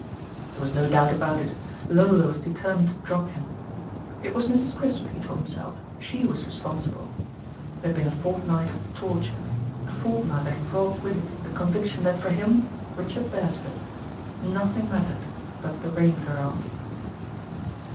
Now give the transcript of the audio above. There was no doubt about it; Lola was determined to drop him. It was Mrs. Crisp, he told himself, she was responsible. It had been a fortnight of torture, a fortnight that had brought with it the con viction that for him, Richard Beresford, nothing mattered but the Rain43iri.